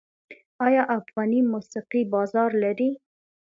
آیا افغاني موسیقي بازار لري؟